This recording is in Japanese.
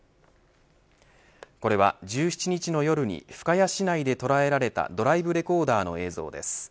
これは１７日の夜に深谷市内で捉えられたドライブレコーダーの映像です。